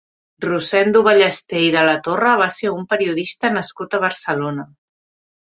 Rosendo Ballester i de la Torre va ser un periodista nascut a Barcelona.